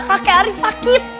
kakek arief sakit